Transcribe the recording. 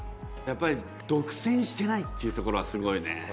やっぱり独占してないっていうところはすごいね。